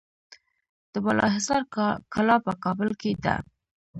د بالاحصار کلا په کابل کې ده